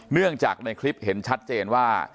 เนื่องจากในคลิปเห็นชัดเจนว่า